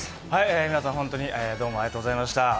皆さん、本当にどうもありがとうございました。